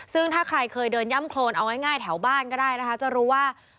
ซึ่งถ้าใครเคยเดินย่ำโครนเอาง่ายแถวบ้านก็ได้นะคะจะรู้ว่า